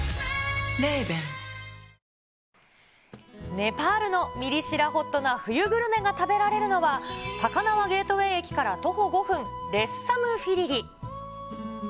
ネパールのミリ知らホットな冬グルメが食べられるのは、高輪ゲートウェイ駅から徒歩５分、レッサムフィリリ。